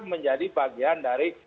menjadi bagian dari